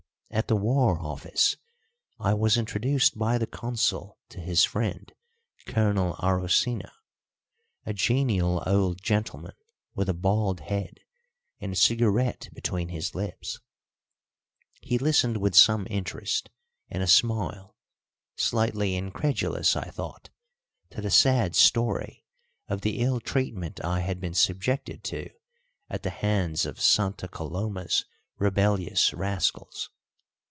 At the War Office I was introduced by the Consul to his friend, Colonel Arocena, a genial old gentleman with a bald head and a cigarette between his lips. He listened with some interest and a smile, slightly incredulous I thought, to the sad story of the ill treatment I had been subjected to at the hands of Santa Coloma's rebellious rascals.